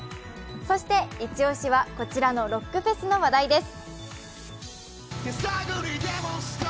そしてイチ押しはこちらのロックフェスの話題です。